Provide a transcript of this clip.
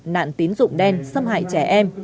nạn tín dụng đen xâm hại trẻ em